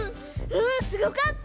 うんすごかった！